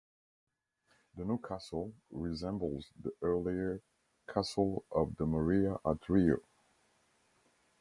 The new castle resembles the earlier Castle of the Morea at Rio.